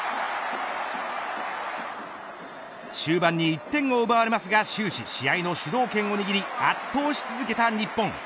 終盤に１点を奪われますが終始、試合の主導権を握り圧倒し続けた日本。